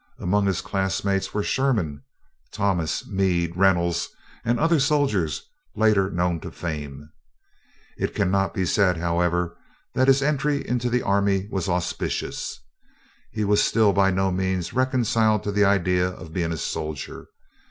Among his classmates were Sherman, Thomas, Meade, Reynolds, and other soldiers later known to fame. It cannot be said, however, that his entry into the army was auspicious. He was still by no means reconciled to the idea of being a soldier.